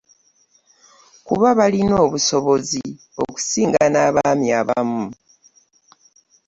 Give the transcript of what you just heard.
Kuba balina obusobozi okusinga n'abaami abamu.